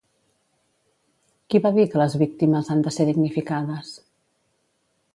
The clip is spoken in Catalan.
Qui va dir que les víctimes han de ser dignificades?